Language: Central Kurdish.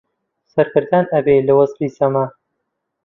سەرگەردان ئەبێ لە وەزعی زەمان